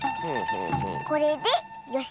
これでよし。